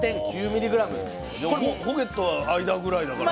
これホゲットは間ぐらいだから。